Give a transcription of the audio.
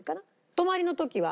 泊まりの時は。